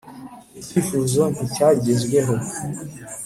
Icyo kifuzo nticyagezweho